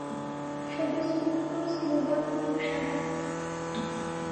স্বতঃস্ফূর্ত স্লোগান খুব সাধারণ।